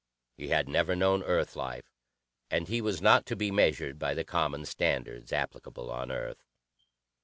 He had never known Earth life, and he was not to be measured by the common standards applicable on Earth.